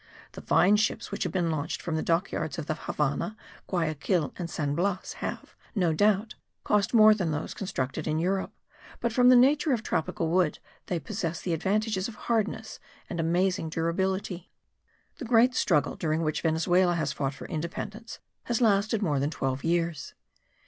The fine ships which have been launched from the dockyards of the Havannah, Guayaquil and San Blas have, no doubt, cost more than those constructed in Europe; but from the nature of tropical wood they possess the advantages of hardness and amazing durability. The great struggle during which Venezuela has fought for independence has lasted more than twelve years.